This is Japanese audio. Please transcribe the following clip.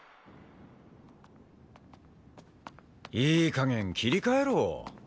いい加減切り替えろ。